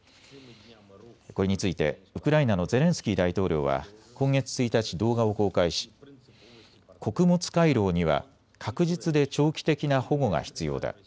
これについてウクライナのゼレンスキー大統領は今月１日、動画を公開し穀物回廊には確実で長期的な保護が必要だ。